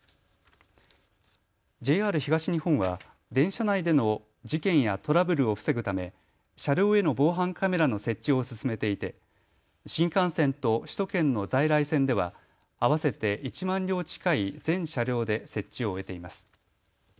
ＪＲ東日本は電車内での事件やトラブルを防ぐため、車両への防犯カメラの設置を進めていて新幹線と首都圏の在来線では合わせて１万両近い全車両で設置を終えています。